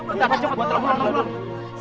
cepat pak cepat telepon ambulans